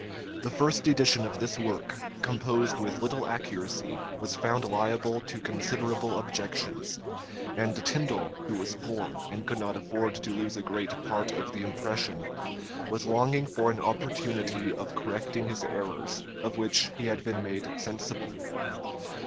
The first edition of this work, composed with little accuracy, was found liable to considerable objections; and Tindal, who was poor, and could not afford to lose a great part of the impression, was longing for an opportunity of correcting his errors, of which he had been made sensible.